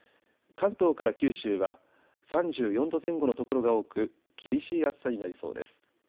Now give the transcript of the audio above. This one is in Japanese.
関東から九州は３４度前後の所が多く厳しい暑さになりそうです。